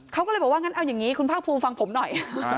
เขาก็เลยบอกว่างั้นเอาอย่างนี้คุณภาคภูมิฟังผมหน่อย